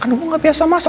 kan ya aku gak biasa masak